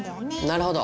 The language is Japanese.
なるほど。